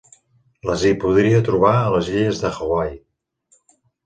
Les hi podia trobar a les illes de Hawaii.